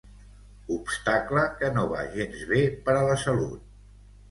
Obstacle que no va gens bé per a la salut.